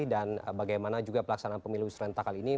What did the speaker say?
dan bagaimana juga pelaksanaan pemilihan wisul rentak kali ini